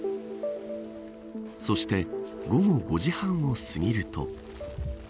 そして午後５時半を過ぎると。